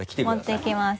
持ってきます。